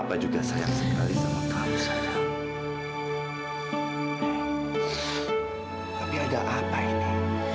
zaira zaira zaira zaira zaira hanyalah zaira